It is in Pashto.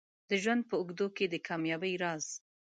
د ژوند په اوږدو کې د کامیابۍ راز